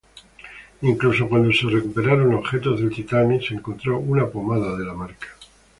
Incluso, cuando se recuperaron objetos del Titanic se encontró una pomada de la marca.